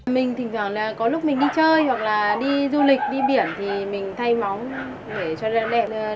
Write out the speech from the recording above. mình thỉnh thoảng là có lúc mình đi chơi hoặc là đi du lịch đi biển thì mình thay móng để cho đẹp